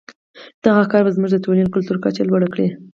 دغه کار به زموږ د ټولنې کلتوري کچه لوړه کړي.